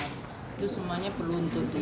itu semuanya perlu untuk